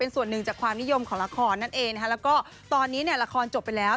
ส่วนหนึ่งจากความนิยมของละครนั่นเองนะคะแล้วก็ตอนนี้เนี่ยละครจบไปแล้ว